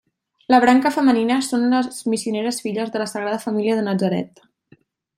La branca femenina són les Missioneres Filles de la Sagrada Família de Natzaret.